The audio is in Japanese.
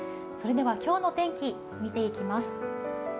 それでは今日の天気見ていきます。